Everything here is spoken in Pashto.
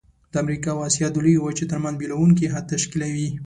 د امریکا او آسیا د لویې وچې ترمنځ بیلوونکی حد تشکیلوي.